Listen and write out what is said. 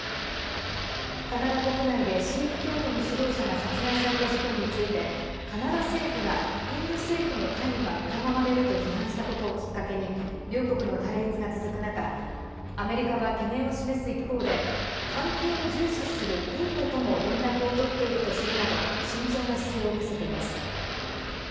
カナダ国内でシーク教徒の指導者が殺害された事件についてカナダ政府がインド政府の関与が疑われると批判したことをきっかけに両国の対立が続く中アメリカは懸念を示す一方で関係を重視するインドとも連絡をとっているとするなど慎重な姿勢を見せています。